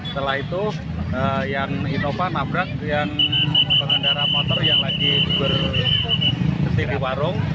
setelah itu yang inova nabrak yang pengendara motor yang lagi berhenti di warung